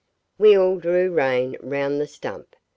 We all drew rein round the stump.